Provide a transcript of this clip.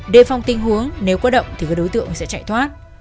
đề phòng tình huống nếu có động thì các đối tượng sẽ chạy thoát